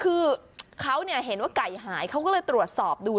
คือเขาเห็นว่าไก่หายเขาก็เลยตรวจสอบดู